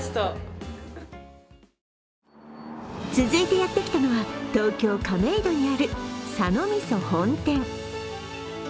続いてやってきたのは東京・亀戸にある佐野みそ本店。